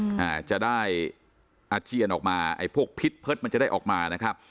อ่าจะได้อาเจียนออกมาไอ้พวกพิษเพิร์ตมันจะได้ออกมานะครับ